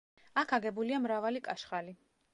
აქ აგებულია მრავალი კაშხალი.